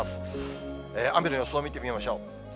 雨の予想を見てみましょう。